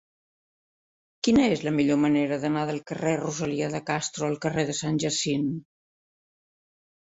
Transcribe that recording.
Quina és la millor manera d'anar del carrer de Rosalía de Castro al carrer de Sant Jacint?